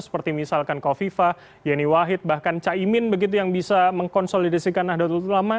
seperti misalkan kofifa yeni wahid bahkan caimin begitu yang bisa mengkonsolidasikan nahdlatul ulama